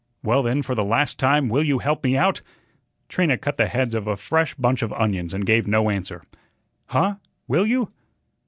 "Well, then, for the last time, will you help me out?" Trina cut the heads of a fresh bunch of onions and gave no answer. "Huh? will you?"